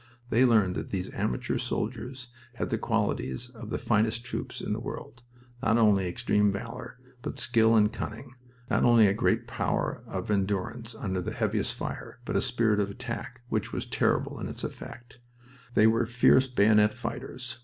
They learned that these "amateur soldiers" had the qualities of the finest troops in the world not only extreme valor, but skill and cunning, not only a great power of endurance under the heaviest fire, but a spirit of attack which was terrible in its effect. They were fierce bayonet fighters.